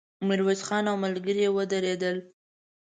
ميرويس خان او ملګري يې ودرېدل.